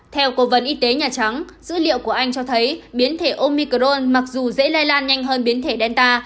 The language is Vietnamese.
theo cố vấn y tế nhà trắng dữ liệu của anh cho thấy biến thể omicron mặc dù dễ lây lan nhanh hơn biến thể delta